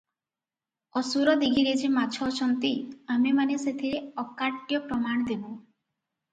ଅସୁର ଦୀଘିରେ ଯେ ମାଛ ଅଛନ୍ତି ଆମେମାନେ ସେଥିରେ ଅକାଟ୍ୟ ପ୍ରମାଣ ଦେବୁଁ ।